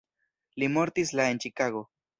Li mortis la en Ĉikago.